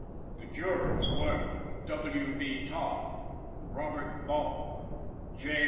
The jurors were W. B. Todd, Robert Ball, J.